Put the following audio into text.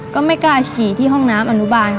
ก็ไม่กล้าฉี่ที่ห้องน้ำอนุบาลค่ะ